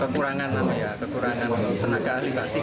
kekurangan nanti ya kekurangan tenaga di batik